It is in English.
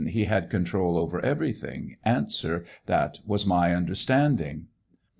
He had control over everything? A. That was my understanding.